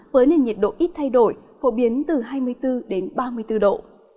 với nền nhiệt độ ít thay đổi phổ biến từ hai mươi bốn đến ba mươi bốn độ